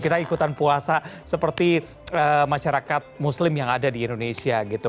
kita ikutan puasa seperti masyarakat muslim yang ada di indonesia gitu